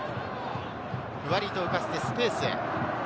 ふわりと浮かしてスペースへ。